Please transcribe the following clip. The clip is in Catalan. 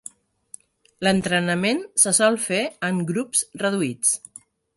L'entrenament se sol fer en grups reduïts.